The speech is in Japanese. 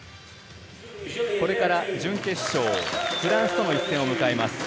これから準決勝、フランスとの一戦を迎えます。